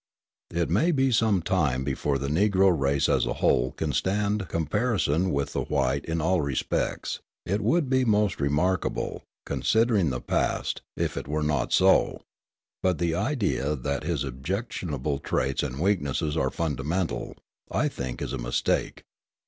It may be some time before the Negro race as a whole can stand comparison with the white in all respects, it would be most remarkable, considering the past, if it were not so; but the idea that his objectionable traits and weaknesses are fundamental, I think, is a mistake.